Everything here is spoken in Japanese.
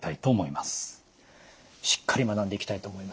しっかり学んでいきたいと思います。